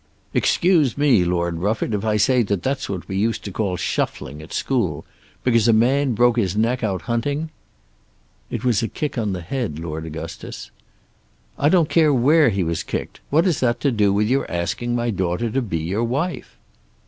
"Excuse me, Lord Rufford, if I say that that's what we used to call shuffling, at school. Because a man broke his neck out hunting " "It was a kick on the head, Lord Augustus." "I don't care where he was kicked. What has that to do with your asking my daughter to be your wife?"